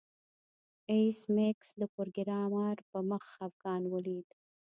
ایس میکس د پروګرامر په مخ خفګان ولید